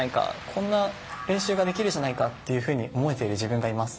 こんな練習ができるじゃないかと思えている自分がいます。